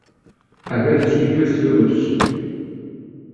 А гэта ж і ёсць выбаршчыкі!